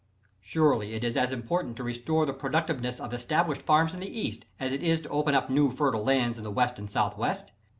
Surely it is as important to restore the productiveness of established farms in the East, as it is to open up new, fertile fields in the West and Southwest.